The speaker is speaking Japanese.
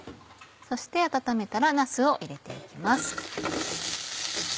そして温めたらなすを入れて行きます。